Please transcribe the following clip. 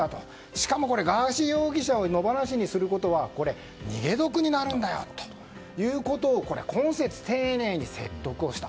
しかもガーシー容疑者を野放しにすることは逃げ得になるんだよということを懇切丁寧に説得した。